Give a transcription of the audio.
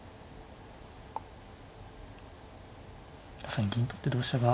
確かに銀取って同飛車が結構。